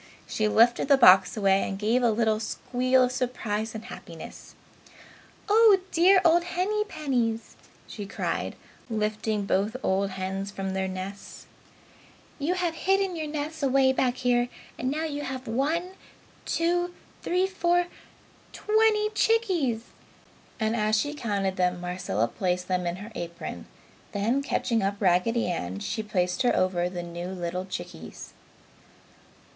She lifted the box away and gave a little squeal of surprise and happiness. "Oh you dear old Hennypennies!" she cried, lifting both old hens from their nests. "You have hidden your nests away back here and now you have one, two, three, four twenty chickies!" and as she counted them, Marcella placed them in her apron; then catching up Raggedy Ann, she placed her over the new little chickies.